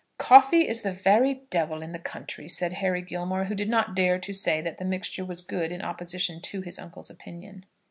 "Coffee is the very devil in the country," said Harry Gilmore, who did not dare to say that the mixture was good in opposition to his uncle's opinion.